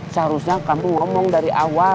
seharusnya kamu ngomong dari awal